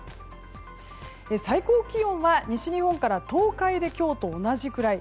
最高気温は西日本から東海で今日と同じくらい。